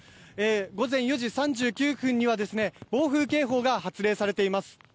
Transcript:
午前４時３９分には暴風警報が発令されています。